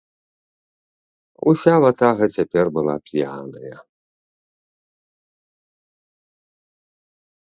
Уся ватага цяпер была п'яная.